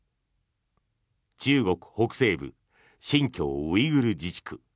中国北西部新疆ウイグル自治区